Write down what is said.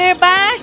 ya kau benar jasper